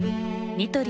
ニトリ